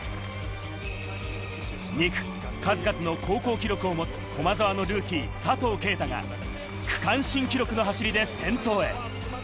２区、数々の高校記録を持つ駒澤のルーキー・佐藤圭汰が区間新記録の走りで先頭へ。